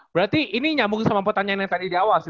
berarti ini nyambung sama pertanyaan yang tadi di awal sih